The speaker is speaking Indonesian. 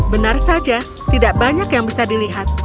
benar saja tidak banyak yang bisa dilihat